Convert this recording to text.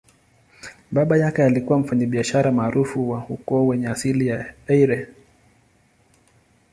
Baba yake alikuwa mfanyabiashara maarufu wa ukoo wenye asili ya Eire.